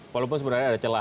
walaupun sebenarnya ada celah